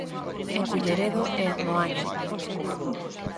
En Culleredo e en Moaña.